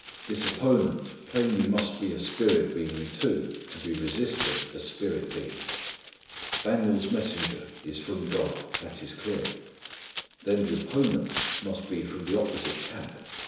This opponent plainly must be a spirit being, too, to be resisting a spirit being. Daniel's messenger is from God: that is clear. Then the opponent must be from the opposite camp.